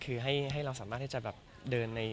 ก็มีไปคุยกับคนที่เป็นคนแต่งเพลงแนวนี้